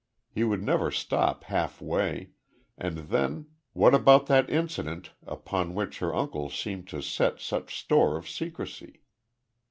He would never stop halfway and then, what about that incident upon which her uncle seemed to set such store of secrecy?